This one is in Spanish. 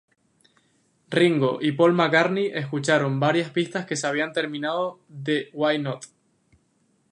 Ringo y Paul McCartney escucharon varias pistas que se había terminado de Y not.